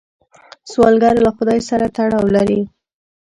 سوالګر له خدای سره تړاو لري